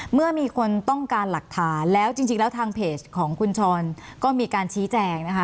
เมื่อมีคนต้องการหลักฐานแล้วจริงแล้วทางเพจของคุณชรก็มีการชี้แจงนะคะ